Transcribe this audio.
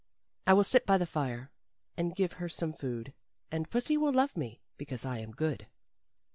'I will sit by the fire And give her some food, And pussy will love me Because I am good.